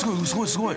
すごい！